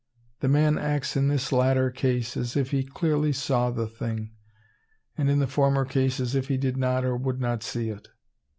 The man acts in this latter case as if he clearly saw the thing, and in the former case as if he did not or would not see it.